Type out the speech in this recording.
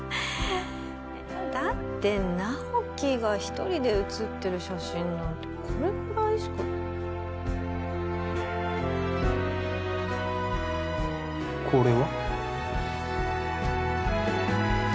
だって直木が一人で写ってる写真なんてこれぐらいしかこれは？